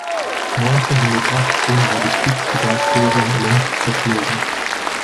Neunzehnhundertachtzehn war die Kriegsbegeisterung längst verflogen.